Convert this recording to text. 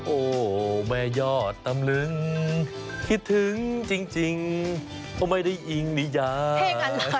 โอ้โหแม่ยอดตำลึงคิดถึงจริงก็ไม่ได้อิงนิยาย